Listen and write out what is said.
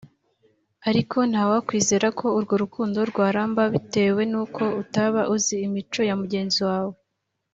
ariko nta wakwizera ko urwo rukundo rwaramba bitewe nuko utaba uzi imico ya mugenzi wawe